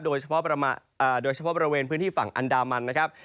โดยเฉพาะบริเวณพื้นที่ฝั่งอันดามันนะครับ